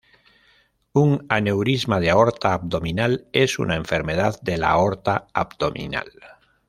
Un aneurisma de aorta abdominal es una enfermedad de la aorta abdominal.